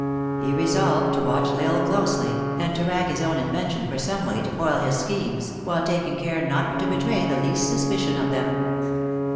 He resolved to watch L Isle closely, and to rack his own invention for some way to foil his schemes, while taking care not to betray the least sus picion of them.